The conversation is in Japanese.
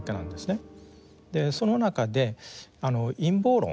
その中で陰謀論